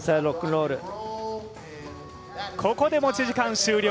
ここで持ち時間終了。